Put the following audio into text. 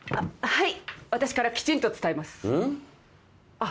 はい。